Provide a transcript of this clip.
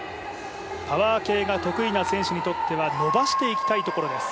パワー系が得意な選手にとっては伸ばしていきたいところです。